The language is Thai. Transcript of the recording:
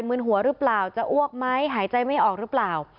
ืนหัวหรือเปล่าจะอ้วกไหมหายใจไม่ออกหรือเปล่า